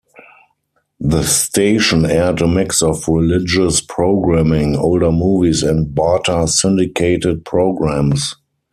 The station aired a mix of religious programming, older movies, and barter syndicated programs.